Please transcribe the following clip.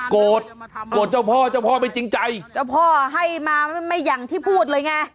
โกรธโกรธเจ้าพ่อเจ้าพ่อไม่จริงใจเจ้าพ่อให้มาไม่อย่างที่พูดเลยไง